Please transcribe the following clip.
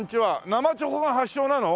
生チョコが発祥なの？